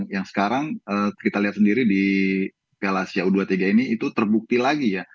yang sekarang kita lihat sendiri di piala asia u dua puluh tiga ini itu terbukti lagi ya